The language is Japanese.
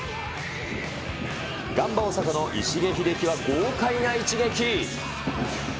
ガンバ大阪の石毛秀樹は豪快な一撃。